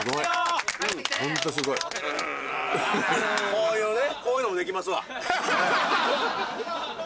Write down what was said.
こういうね。